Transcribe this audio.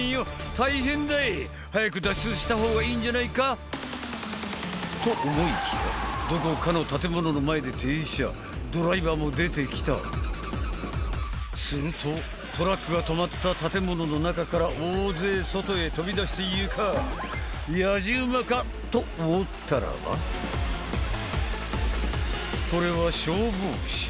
大変だい早く脱出した方がいいんじゃないか？と思いきやどこかの建物の前で停車ドライバーも出てきたするとトラックが止まった建物の中から大勢外へ飛び出してゆくと思ったらばこれは消防車？